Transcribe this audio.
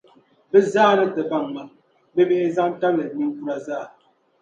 Bɛ zaa ni ti baŋ ma, bibihi zaŋ tabili ninkura zaa.